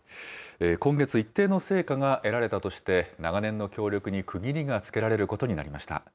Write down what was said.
今月、一定の成果が得られたとして、長年の協力に区切りがつけられることになりました。